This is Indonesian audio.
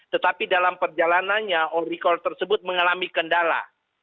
tetapi dalam perjalanannya all record tersebut mengalami kendala